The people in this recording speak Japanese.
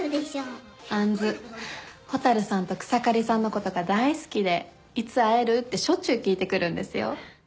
杏蛍さんと草刈さんのことが大好きで「いつ会える？」ってしょっちゅう聞いてくるんですよ。